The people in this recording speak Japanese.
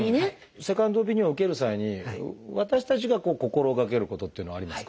セカンドオピニオンを受ける際に私たちが心がけることっていうのはありますか？